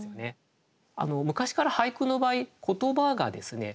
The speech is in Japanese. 昔から俳句の場合言葉がですね